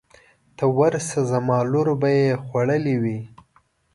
ته ورشه زما لور به یې خوړلې وي.